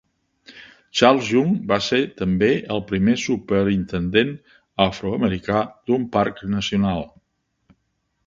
Charles Young va ser també el primer superintendent afroamericà d'un parc nacional.